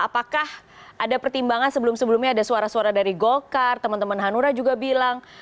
apakah ada pertimbangan sebelum sebelumnya ada suara suara dari golkar teman teman hanura juga bilang